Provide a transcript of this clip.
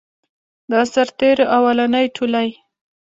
د سرتیرو اولنی ټولۍ.